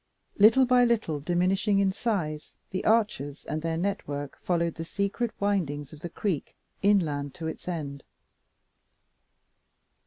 Little by little diminishing in size, the arches and their net work followed the secret windings of the creek inland to its end.